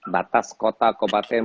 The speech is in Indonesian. batas kota komaten